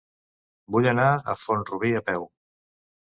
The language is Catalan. Vull anar a Font-rubí a peu.